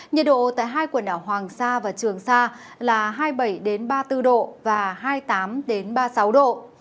nhiệt độ tại hai quần đảo hoàng sa và trường sa là hai mươi bảy ba mươi bốn độ và hai mươi tám ba mươi sáu độ